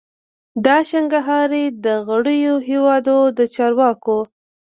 د شانګهای د غړیو هیوادو د چارواکو